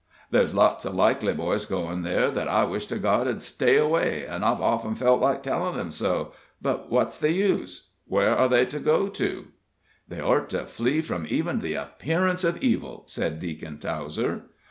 Ther's lots of likely boys goin' there that I wish to God 'd stay away, an' I've often felt like tellin' 'em so, but what's the use? Where are they to go to?" "They ort to flee from even the appearance of evil," said Deacon Towser.